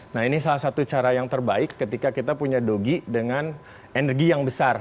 nah ini salah satu cara yang terbaik ketika kita punya dogi dengan energi yang besar